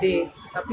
tapi kalau secara tim